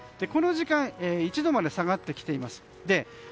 この時間１度まで下がってきています。